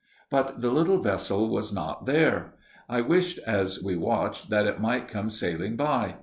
But the little vessel was not there. I wished, as we watched, that it might come sailing by.